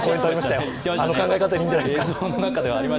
あの考え方でいいんじゃないですか。